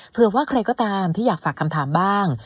เผื่อว่าใครก็ตามที่อยากฝากคำถามบ้าง